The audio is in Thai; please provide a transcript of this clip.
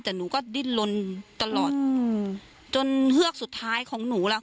แต่หนูก็ดิ้นลนตลอดอืมจนเฮือกสุดท้ายของหนูล่ะ